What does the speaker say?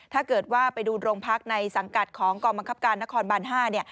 ถ้าเกิดว่าไปดูโรงพักในสังกัดของกองบังคับการนครบาน๕